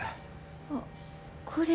あっこれ。